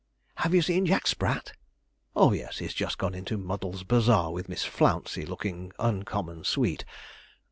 'Have you seen Jack Sprat?' 'Oh yes; he's just gone into Muddle's Bazaar with Miss Flouncey, looking uncommon sweet.'